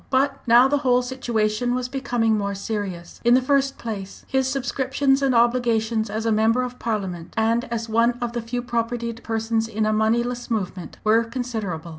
But now the whole situation was becoming more serious. In the first place, his subscriptions and obligations as a member of Parliament, and as one of the few propertied persons in a moneyless movement, were considerable.